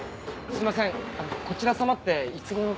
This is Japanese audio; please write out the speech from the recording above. すいませんこちら様っていつ頃から。